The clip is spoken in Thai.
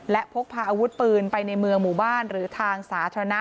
และพกพาอาวุธปืนไปในเมืองหมู่บ้านหรือทางสาธารณะ